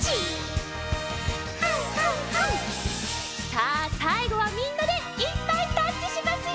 さあさいごはみんなでいっぱいタッチしますよ！